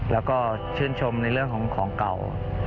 แล้วก็ชื่นชมในเรื่องของของเก่า